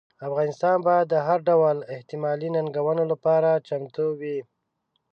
افغانستان باید د هر ډول احتمالي ننګونو لپاره چمتو وي.